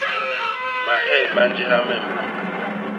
Mahel ma njéha me mbôñ.